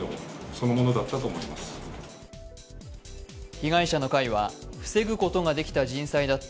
被害者の会は防ぐことができた人災だった、